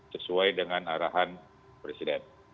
sesuai dengan arahan presiden